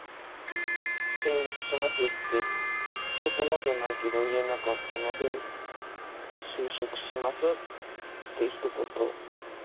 「進学します」ってとてもじゃないけど言えなかったので「就職します」ってひと言。